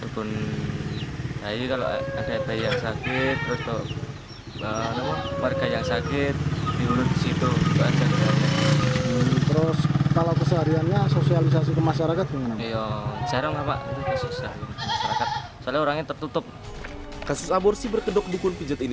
kasus aborsi berkedok dukun pijat ini